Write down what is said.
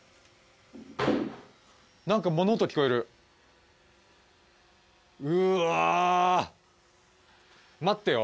何か物音聞こえるうわ待ってよ